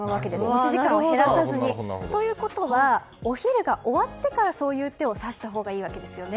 持ち時間を減らさずに。ということはお昼が終わってからその手を指したほうがいいわけです。